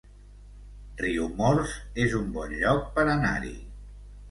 Riumors es un bon lloc per anar-hi